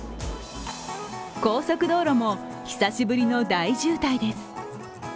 高速道路も久しぶりの大渋滞です。